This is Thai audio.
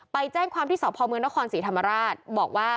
ไปแจ้งความที่สพเมืองนครศรีธรรมราชบอกว่า